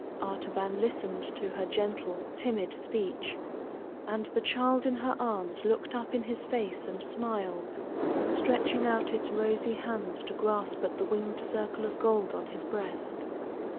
Artaban listened to her gentle, timid speech, and the child in her arms looked up in his face and smiled, stretching out its rosy hands to grasp at the winged circle of gold on his breast.